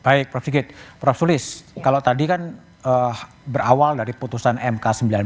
baik prof sigit prof sulis kalau tadi kan berawal dari putusan mk sembilan puluh lima